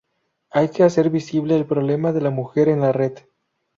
Hay que hacer visible el problema de la mujer en la red